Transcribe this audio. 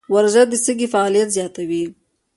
ورزش د سږي فعالیت زیاتوي.